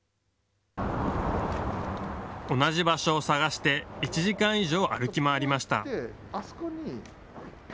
同じ場所を探して１時間以上、歩き回りました。